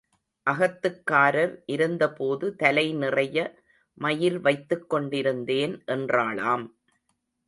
அகத்துக்காரர் இருந்த போது தலைநிறைய மயிர் வைத்துக் கொண்டிருந்தேன் என்றாளாம்.